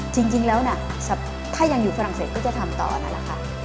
จริงแล้วถ้ายังอยู่ฝรั่งเศสก็จะทำต่อนั่นแหละค่ะ